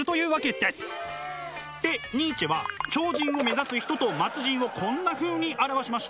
でニーチェは超人を目指す人と末人をこんなふうに表しました。